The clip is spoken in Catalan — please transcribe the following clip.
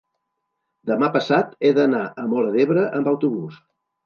demà passat he d'anar a Móra d'Ebre amb autobús.